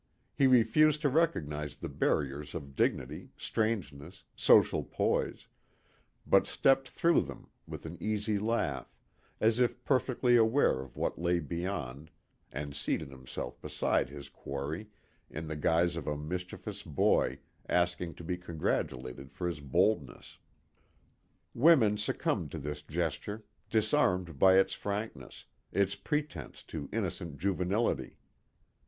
He refused to recognize the barriers of dignity, strangeness, social poise but stepped through them with an easy laugh as if perfectly aware of what lay beyond, and seated himself beside his quarry in the guise of a mischievous boy asking to be congratulated for his boldness. Women succumbed to this gesture, disarmed by its frankness, its pretense to innocent juvenility.